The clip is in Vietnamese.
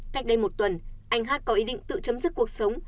cách đây một tuần anh hát có ý định tự chấm dứt cuộc sống